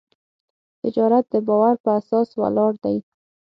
تجارت د باور په اساس ولاړ دی.